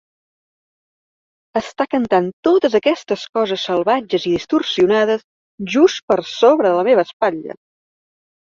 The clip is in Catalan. Està cantant totes aquestes coses salvatges i distorsionades just per sobre de la meva espatlla!